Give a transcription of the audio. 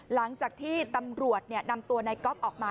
หลังจากที่ตำรวจนำตัวนายก๊อฟออกมา